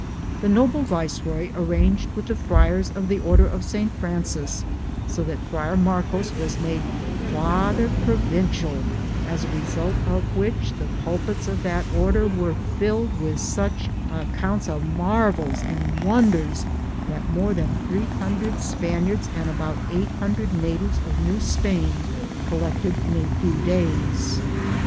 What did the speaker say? The noble viceroy arranged with the friars of the order of Saint Francis so that am Google THE JOURNEY OP CORONADO Friar Marcos was made father provincial, as a result of which the pulpits of that order were filled with such accounts of marvels and wonders that more than 300 Spaniards and ahout 800 natives of New Spain col lected in a few days.